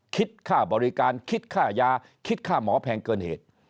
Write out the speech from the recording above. คิดค่าบริการคิดค่ายาคิดค่าหมอแพงเกินเหตุ